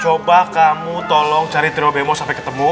coba kamu tolong cari trio bmo sampe ketemu